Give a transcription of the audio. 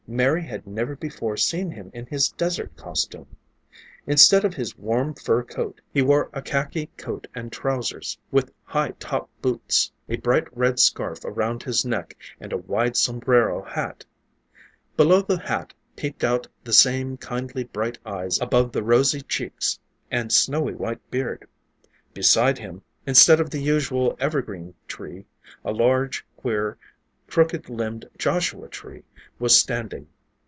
Mary had never before seen him in his desert costume. Instead of his warm fur coat, he wore a kakhi coat and trousers, with high top boots, a bright red scarf around his neck and a wide sombrero hat. Below the hat peeped out the same kindly, bright eyes above the rosy cheeks and snowy white beard. Beside him, instead of the usual evergreen tree, a large, queer, crooked limbed joshua tree, was standing.